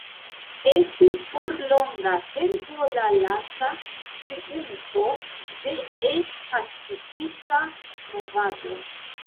Estis por longa tempo la lasta triumfo de E-pacifista movado.